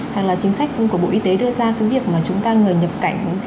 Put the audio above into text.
hoặc là chính sách của bộ y tế đưa ra cái việc mà chúng ta người nhập cảnh